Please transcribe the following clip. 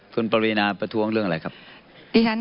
คุณปรินาประท้วงเรื่องอะไรครับ